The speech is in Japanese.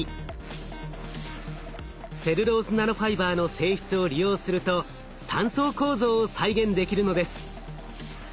セルロースナノファイバーの性質を利用すると三層構造を再現できるのです。